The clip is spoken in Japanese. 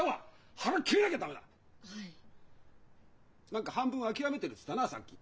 何か「半分諦めてる」っつったなさっき。